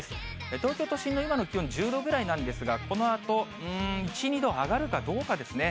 東京都心の今の気温、１０度くらいなんですが、このあと、うーん、１、２度上がるかどうかですね。